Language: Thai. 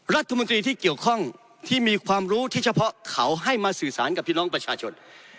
รัฐมนตรีที่เกี่ยวข้องที่มีความรู้ที่เฉพาะเขาให้มาสื่อสารกับพี่น้องประชาชน